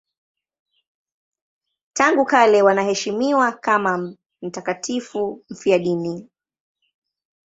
Tangu kale wanaheshimiwa kama mtakatifu mfiadini.